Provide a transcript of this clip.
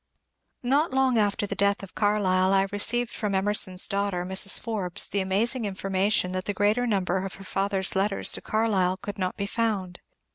Not long after the death of Carlyle I received from Emer son's daughter, Mrs. Forbes, the amazing information that the greater number of her father's letters to Carlyle could not be found.